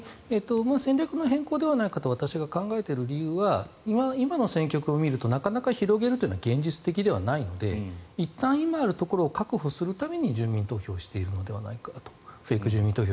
戦略の変更ではないかと私が考えている理由は今の戦局を見るとなかなか広げるというのは現実的ではないのでいったん今あるところを確保するためにフェイク住民投票をしているのではないかと。